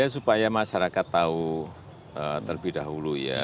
supaya masyarakat tahu terlebih dahulu ya